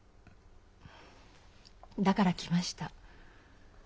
だから来ました。